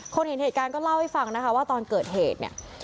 เห็นเหตุการณ์ก็เล่าให้ฟังนะคะว่าตอนเกิดเหตุเนี่ย